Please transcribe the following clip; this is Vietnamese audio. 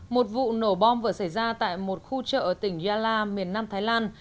một vụ nổ bom vừa xảy ra tại một khu chợ ở tỉnh yala miền nam thái lan